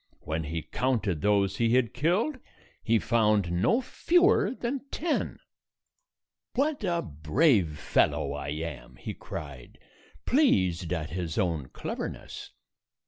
When he counted those he had killed, he found no fewer than ten. "What a brave fellow I am!" he cried, pleased at his own cleverness.